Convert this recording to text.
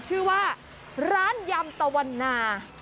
ชื่อว่าร้านยำตะวันนา